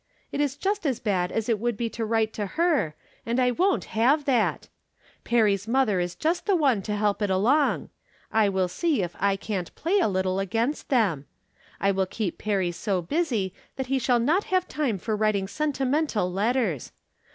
It is just as bad as it would be to write to her, and I won't have that ! Perry's mother is just the one to help it along. I win see if I can't play a little against them. I will keep Perry so busy that he shall not have time for writing sentimental letters..